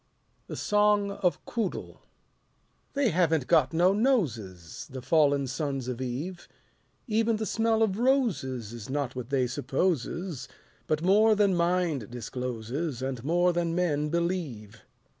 The Song of Quoodle They haven't got no noses, The fallen sons of Eve; Even the smell of roses Is not what they supposes; But more than mind discloses And more than men believe.